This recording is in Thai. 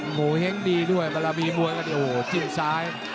โหเฮ้งดีด้วยเมื่อมีมวยกันโหจิ้มซ้าย